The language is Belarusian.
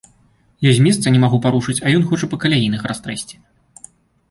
Я з месца не магу парушыць, а ён хоча па каляінах растрэсці.